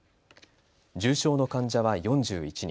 重症の患者は４１人。